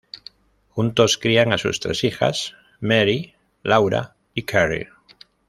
Juntos crían a sus tres hijas: Mary, Laura y Carrie.